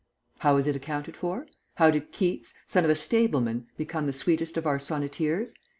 How is it accounted for? How did Keats, son of a stableman, become the sweetest of our sonneteers?